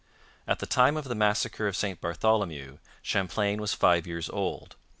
At the time of the Massacre of St Bartholomew Champlain was five years old.